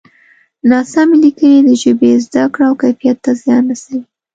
ناسمې لیکنې د ژبې زده کړه او کیفیت ته زیان رسوي.